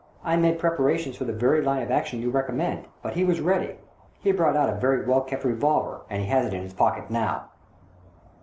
I made preparations for the very line of action you recommend, but he was ready. He brought out a very well kept revolver, and he has it in his pocket now